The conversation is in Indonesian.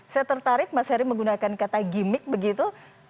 saya tertarik mas heri menggunakan kata gimmick begitu